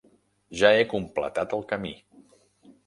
Ja he completat el camí.